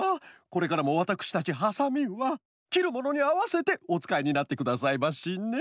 これからもわたくしたちハサミはきるものにあわせておつかいになってくださいましね！